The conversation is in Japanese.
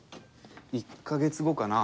１か月後かな